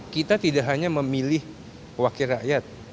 kita tidak hanya memilih wakil rakyat